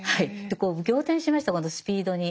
仰天しましたこのスピードに。